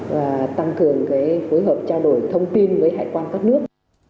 và tăng cường phối hợp trao đổi thông tin với hải quan các nước